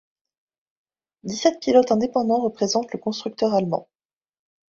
Dix-sept pilotes indépendants représentent le constructeur allemand.